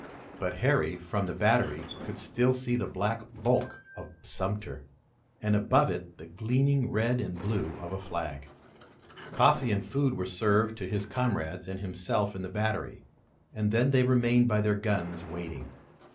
But Harry, from the battery, could still see the black bulk of Sumter, and above it the gleaming red and blue of a flag. Coffee and food were served to his comrades and himself in the battery, and then they remained by their guns waiting.